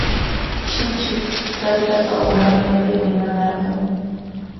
Shipshi taytaapa uman yapaymi nanarqun.